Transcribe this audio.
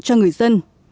cho người dân